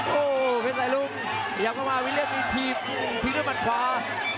โอ้เป็นไตรุ้มพยายามจะมาวิลเลียมมีทีมทิ้งด้วยมันขวา